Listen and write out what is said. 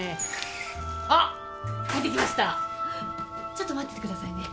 ちょっと待っててくださいね。